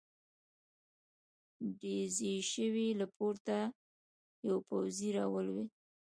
ډزې شوې، له پورته يو پوځې را ولوېد.